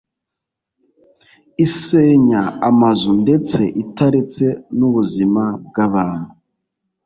isenya amazu ndetse itaretse n’ubuzima bw’abantu